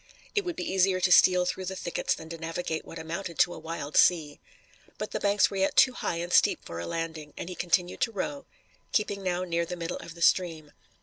It would be easier to steal through the thickets than to navigate what amounted to a wild sea. But the banks were yet too high and steep for a landing, and he continued to row, keeping now near the middle of the stream.